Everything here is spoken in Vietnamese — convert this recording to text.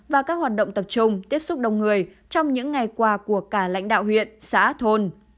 và các hoạt động tập trung tiếp xúc đông người trong những ngày qua của cả lãnh đạo huyện xã thôn